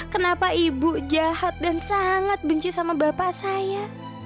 kenapa ibu jahat dan sangat benci sama bapak saya